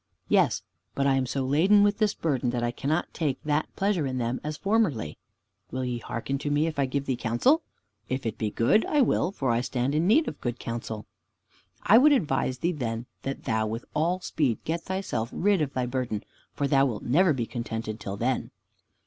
"Yes, but I am so laden with this burden that I cannot take that pleasure in them as formerly." "Will you hearken to me if I give thee counsel?" "If it be good, I will, for I stand in need of good counsel." "I would advise thee, then, that thou with all speed get thyself rid of thy burden, for thou wilt never be contented till then."